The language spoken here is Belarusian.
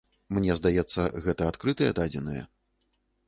Мне здаецца, гэта адкрытыя дадзеныя.